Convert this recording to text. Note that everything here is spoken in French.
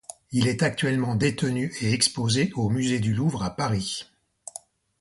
Il est actuellement détenu et exposé au musée du Louvre à Paris.